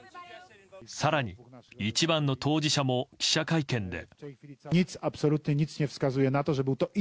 更に、一番の当事者も記者会見で。